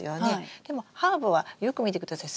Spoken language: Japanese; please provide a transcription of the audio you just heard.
でもハーブはよく見てください。